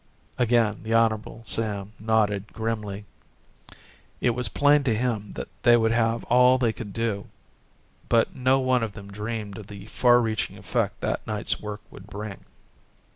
Again the Hon. Sam nodded grimly. It was plain to him that they would have all they could do, but no one of them dreamed of the far reaching effect that night's work would bring.